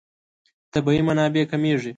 طبیعي منابع کمېږي.